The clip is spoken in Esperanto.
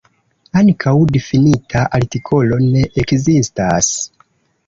Ankaŭ difinita artikolo ne ekzistas.